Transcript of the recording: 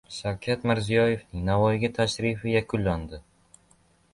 Shavkat Mirziyoyevning Navoiyga tashrifi yakunlandi